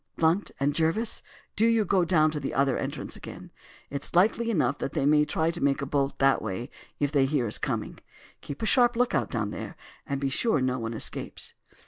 Blunt and Jervis, do you go down to the other entrance again. It is likely enough that they may try to make a bolt that way if they hear us coming. Keep a sharp look out down there, and be sure no one escapes."